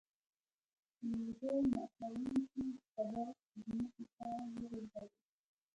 لرګي ماتوونکي تبر ځمکې ته وغورځاوه.